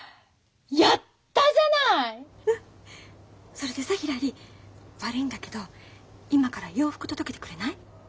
それでさひらり悪いんだけど今から洋服届けてくれない？